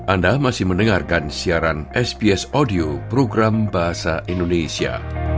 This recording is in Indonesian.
anda masih mendengarkan siaran sbs audio program bahasa indonesia